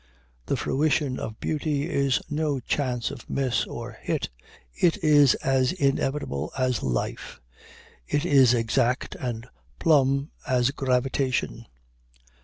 The fruition of beauty is no chance of miss or hit it is as inevitable as life it is exact and plumb as gravitation.